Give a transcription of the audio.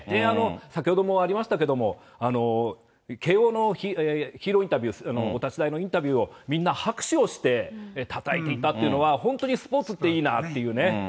先ほどもありましたけども、慶応のヒーローインタビュー、お立ち台のインタビューを、みんな拍手をして、たたえていたっていうのは、本当にスポーツっていいなっていうね。